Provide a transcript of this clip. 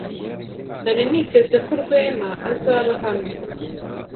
Nari niteze ko Rwema azaba hano.